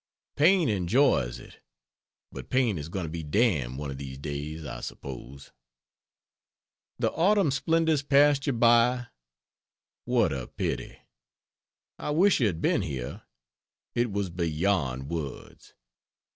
Paine enjoys it, but Paine is going to be damned one of these days, I suppose. The autumn splendors passed you by? What a pity. I wish you had been here. It was beyond words!